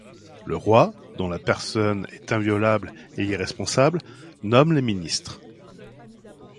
Le roi, dont la personne est inviolable et irresponsable, nomme les ministres.